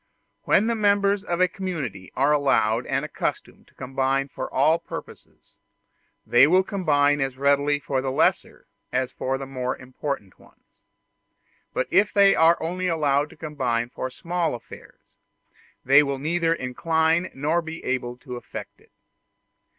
When the members of a community are allowed and accustomed to combine for all purposes, they will combine as readily for the lesser as for the more important ones; but if they are only allowed to combine for small affairs, they will be neither inclined nor able to effect it.